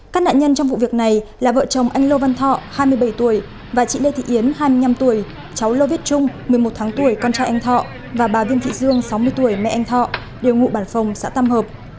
các nạn nhân trong vụ việc này là vợ chồng anh lô văn thọ hai mươi bảy tuổi và chị lê thị yến hai mươi năm tuổi cháu lô viết trung một mươi một tháng tuổi con trai anh thọ và bà viên thị dương sáu mươi tuổi mẹ anh thọ đều ngụ bản phòng xã tam hợp